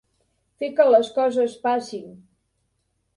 Fer que les coses passin.